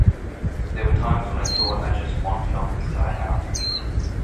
There were times when I thought I just want to knock this guy out.